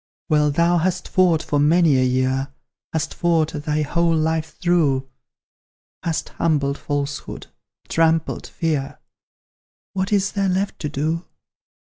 "Well, thou hast fought for many a year, Hast fought thy whole life through, Hast humbled Falsehood, trampled Fear; What is there left to do?